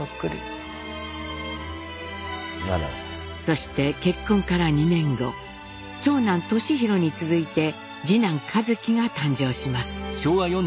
そして結婚から２年後長男年浩に続いて次男一輝が誕生します。